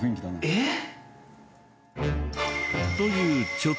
えっ？